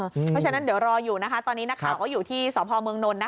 เพราะฉะนั้นเดี๋ยวรออยู่นะคะตอนนี้นักข่าวก็อยู่ที่สพเมืองนนท